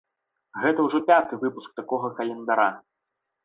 Гэта ўжо пяты выпуск такога календара.